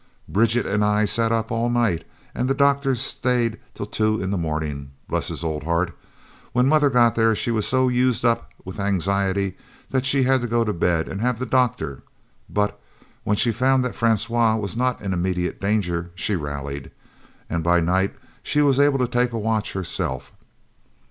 Bridget and I set up all night, and the doctor staid till two in the morning, bless his old heart. When mother got there she was so used up with anxiety, that she had to go to bed and have the doctor; but when she found that Francois was not in immediate danger she rallied, and by night she was able to take a watch herself.